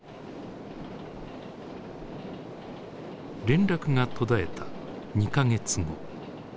連絡が途絶えた２か月後。